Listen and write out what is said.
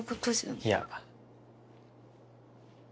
いや。